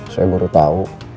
saya baru tahu